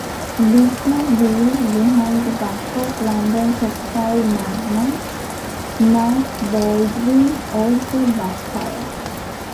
Business deals behind the back of London textile magnate Mike Baldwin also backfired.